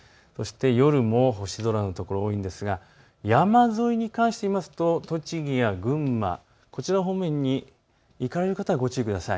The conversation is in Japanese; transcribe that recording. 夜も星空のところが多いんですが山沿いに関して見ると栃木や群馬、こちらの方面に行かれる方はご注意ください。